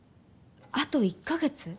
あと１か月？